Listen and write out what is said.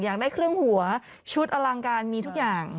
อยากได้เครื่องหัวชุดอลังการมีทุกอย่าง